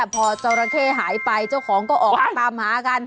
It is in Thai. พอเจ้าระเทศหายไปเจ้าของก็ออกมาตามหากัน